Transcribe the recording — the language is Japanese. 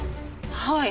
はい。